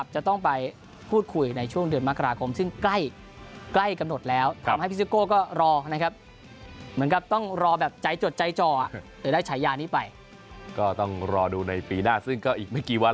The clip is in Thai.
เจนนะครับว่าซิโก้นั้นจะได้คุมทีมชาติไทยต่อไปหรือไม่